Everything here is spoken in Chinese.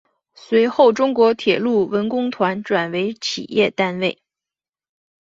随后中国铁路文工团转为企业单位。